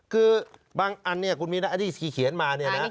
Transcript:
คือบางอันนี้คุณมินอันนี้เขียนมานี่นะครับ